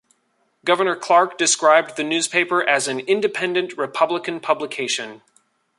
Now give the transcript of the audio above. Governor Clark described the newspaper as an "independent Republican" publication.